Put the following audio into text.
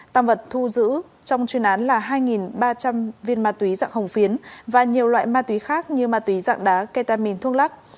tăng vật thu giữ trong chuyên án là hai ba trăm linh viên ma túy dạng hồng phiến và nhiều loại ma túy khác như ma túy dạng đá ketamin thuốc lắc